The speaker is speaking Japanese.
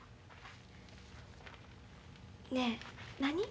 ねえ何？